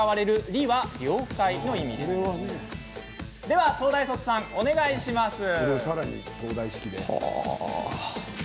では、東大卒さんお願いします。